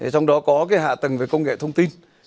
trong đó có hạ tầng về công nghệ thông tin